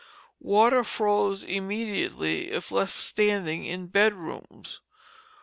Water froze immediately if left standing in bedrooms.